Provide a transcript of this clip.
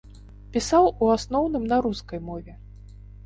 Пісаў у асноўным на рускай мове.